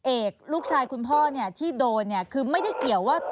เอกลูกชายคุณพ่อที่โดนคือไม่ได้เกี่ยวว่า